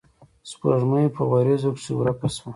سپوږمۍ پۀ وريځو کښې ورکه شوه